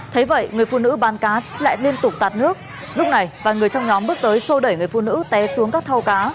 thế vậy người phụ nữ bán cá lại liên tục tạt nước lúc này và người trong nhóm bước tới sô đẩy người phụ nữ té xuống các thau cá